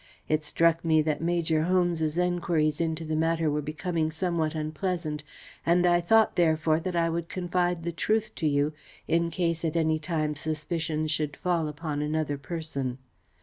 It struck me that Major Holmes's enquiries into the matter were becoming somewhat unpleasant, and I thought, therefore, that I would confide the truth to you, in case at any time suspicion should fall upon another person.